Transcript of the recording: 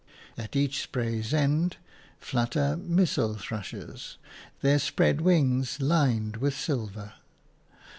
At each spray's end flutter missel thrushes, their spread wings lined with silver.